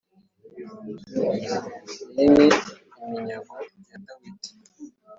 iyi ni iminyago ya Dawidi